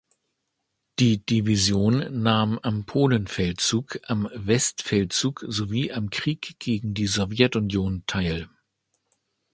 Die Division nahm am Polenfeldzug, am Westfeldzug sowie am Krieg gegen die Sowjetunion teil.